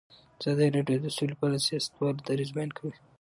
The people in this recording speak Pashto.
ازادي راډیو د سوله په اړه د سیاستوالو دریځ بیان کړی.